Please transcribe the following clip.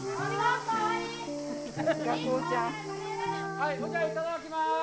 はいそれじゃいただきます。